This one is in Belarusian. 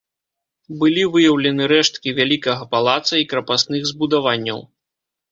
Былі выяўлены рэшткі вялікага палаца і крапасных збудаванняў.